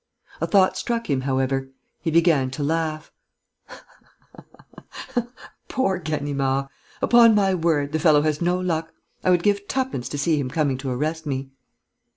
A thought struck him, however. He began to laugh: "Poor Ganimard! Upon my word, the fellow has no luck, I would give twopence to see him coming to arrest me."